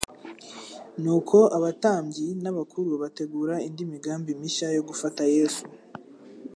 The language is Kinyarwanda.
Nuko abatambyi n'abakuru bategura indi migambi mishya yo gufata Yesu.